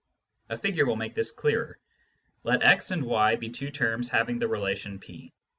A figure will make this clearer. Let x and y be two terms having the relation P.